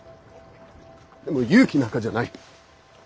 でも勇気なんかじゃない。